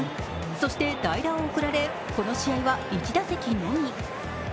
そして代打を送られこの試合は１打席のみ。